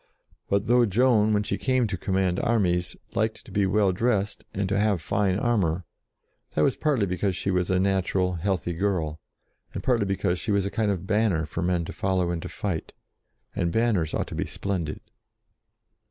But though Joan, when she came to command armies, liked to be well dressed, and to have fine armour, that was partly because she was a natural, healthy girl, and partly be cause she was a kind of banner for men to follow into fight, and banners ought to be splendid.